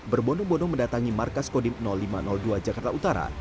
berbonong bono mendatangi markas kodim lima ratus dua jakarta utara